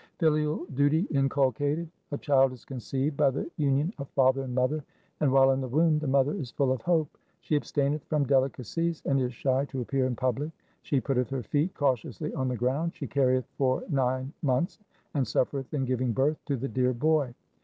2 Filial duty inculcated :— A child is conceived by the union of father and mother, and while in the womb the mother is full of hope. She abstaineth from delicacies, and is shy to appear in public. She putteth her feet cautiously on the ground. She carrieth for nine months and suffereth in giving birth to the dear boy.